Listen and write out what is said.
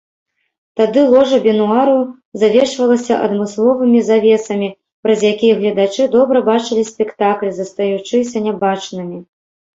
Тады ложа бенуару завешвалася адмысловымі завесамі, праз якія гледачы добра бачылі спектакль, застаючыся нябачнымі.